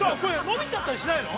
◆伸びちゃったりしないの？